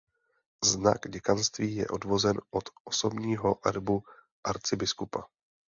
Znak děkanství je odvozen od osobního erbu arcibiskupa.